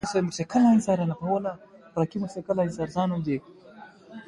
تیوره ولسوالۍ مشهوره ده؟